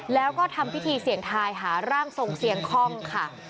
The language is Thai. แล้วก็ทำพิธีเสี่ยงทายหาร่างทรงเสี่ยงคล่องค่ะ